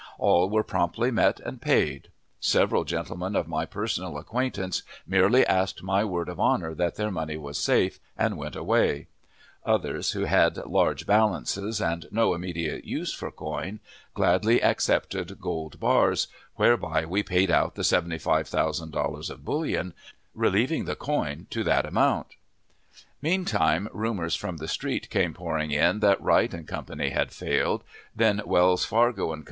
All were promptly met and paid. Several gentlemen of my personal acquaintance merely asked my word of honor that their money was safe, and went away; others, who had large balances, and no immediate use for coin, gladly accepted gold bars, whereby we paid out the seventy five thousand dollars of bullion, relieving the coin to that amount. Meantime, rumors from the street came pouring in that Wright & Co. had failed; then Wells, Fargo & Co.